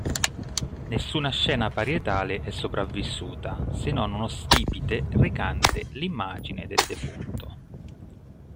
Nessuna scena parietale è sopravvissuta se non uno stipite recante l'immagine del defunto.